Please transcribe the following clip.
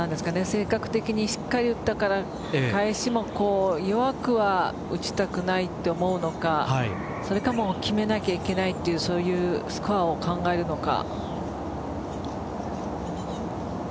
性格的にしっかり打ったから返しも弱くは打ちたくないと思うのか決めなきゃいけないというスコアを考えるのか。